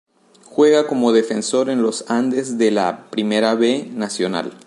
Juega como Defensor en Los Andes de la Primera B Nacional.